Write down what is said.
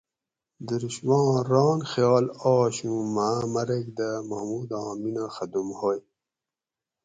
دُرشھواران خیال آش اوُں ماں مرگ دہ محموداں مینہ ختم ھوئ